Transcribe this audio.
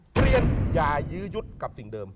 เปลี่ยนอย่ายื้อยุดกับสิ่งเดิม